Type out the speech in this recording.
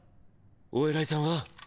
お偉いさんは？